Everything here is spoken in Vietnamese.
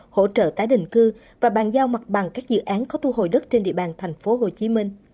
hỗ trợ tái định cư và bàn giao mặt bằng các dự án có thu hồi đất trên địa bàn thành phố hồ chí minh